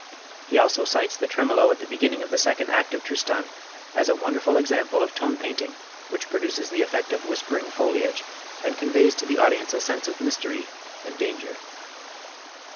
He also cites the tremolo at the beginning of the second act of "Tristan" as a wonderful example of tone painting which produces the effect of whispering foliage and conveys to the audience a sense of mystery and danger.